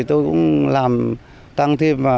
tôi cũng làm tăng thêm